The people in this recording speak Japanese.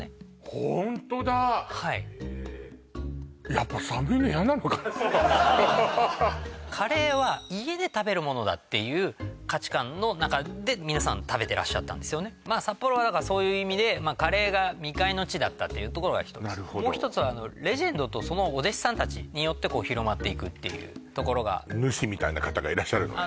ホントだはいやっぱ寒いの嫌なのかなカレーは家で食べるものだっていう価値観の中で皆さん食べてらっしゃったんですよね札幌はだからそういう意味でカレーが未開の地だったっていうところが１つもう一つはレジェンドとそのお弟子さんたちによって広まっていくっていうところが主みたいな方がいらっしゃるのよね？